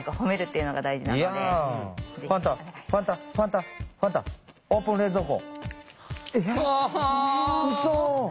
うそ。